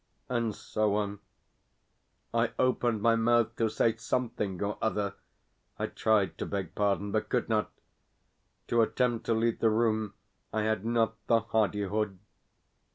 and so on. I opened my mouth to say something or other; I tried to beg pardon, but could not. To attempt to leave the room, I had not the hardihood.